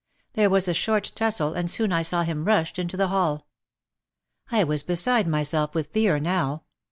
There was a short tussle and soon I saw him rushed into the hall. I was beside myself with fear now.